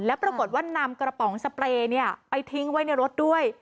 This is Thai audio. แล้วปรากฏว่านำกระป๋องสเปรย์ไปทิ้งไว้ในรถด้วย